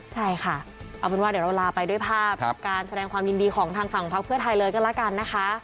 ใช่ค่ะเอาเป็นว่าเดี๋ยวเราลาไปด้วยภาพการแสดงความยินดีของทางฝั่งพักเพื่อไทยเลยก็แล้วกันนะคะ